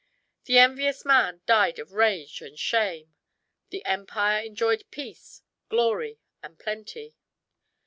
The envious man died of rage and shame. The empire enjoyed peace, glory, and plenty.